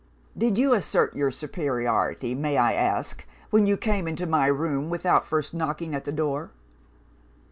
Did you assert your superiority may I ask when you came into my room without first knocking at the door?